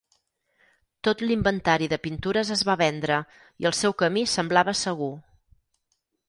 Tot l’inventari de pintures es va vendre, i el seu camí semblava segur.